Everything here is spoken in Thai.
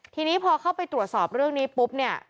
ทีนี้พอเข้าไปตรวจสอบเรื่องนี้ปุ๊บเนี่ย